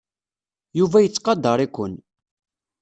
Yuba yettqadar-iken.